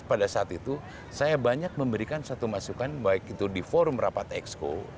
pada saat itu saya banyak memberikan satu masukan baik itu di forum rapat exco